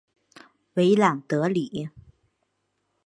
维朗德里。